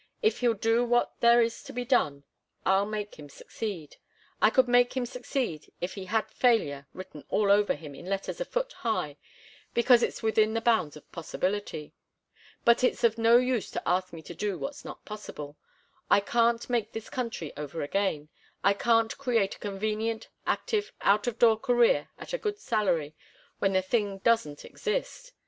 If he'll do what there is to be done, I'll make him succeed. I could make him succeed if he had 'failure' written all over him in letters a foot high because it's within the bounds of possibility. But it's of no use to ask me to do what's not possible. I can't make this country over again. I can't create a convenient, active, out of door career at a good salary, when the thing doesn't exist.